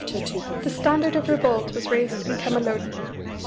The standard of revolt was raised in Camalodunum.